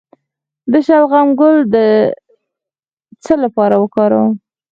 د شلغم ګل د څه لپاره وکاروم؟